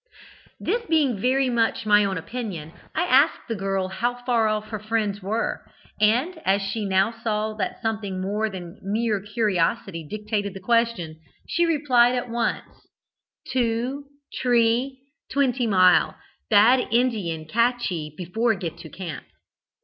"This being very much my own opinion, I asked the girl how far off her friends were, and as she now saw that something more than mere curiosity dictated the question, she replied at once: "'Two tree twenty mile. Bad Indian catchee before get to camp.'